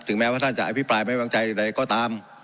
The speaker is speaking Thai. ถึงแม้ว่าท่านจะอภิปรายไม่บังใจหรืออะไรก็ตาม